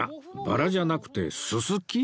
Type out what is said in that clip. バラじゃなくてススキ？